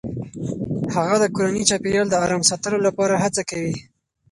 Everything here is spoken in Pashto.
هغه د کورني چاپیریال د آرام ساتلو لپاره هڅه کوي.